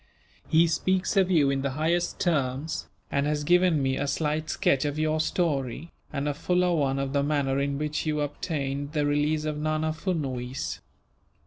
He speaks of you in the highest terms, and has given me a slight sketch of your story, and a fuller one of the manner in which you obtained the release of Nana Furnuwees.